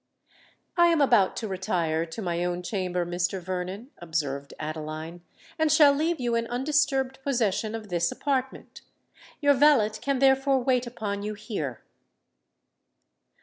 "I am about to retire to my own chamber, Mr. Vernon," observed Adeline, "and shall leave you in undisturbed possession of this apartment. Your valet can therefore wait upon you here."